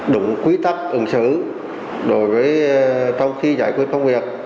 đúng quy tắc ứng xử đối với trong khi giải quyết công việc